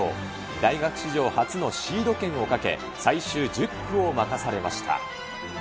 大学史上初のシード権をかけ、最終１０区を任されました。